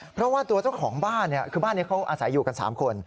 เพราะว่าตัวเจ้าของบ้านคือบ้านนี้เขาอาศัยอยู่กัน๓คน